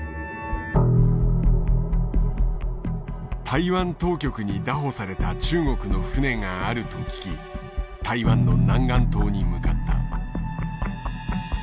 台湾当局に拿捕された中国の船があると聞き台湾の南竿島に向かった。